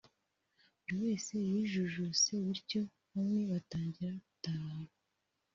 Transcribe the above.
buri wese yijujuse bityo bamwe batangira gutaha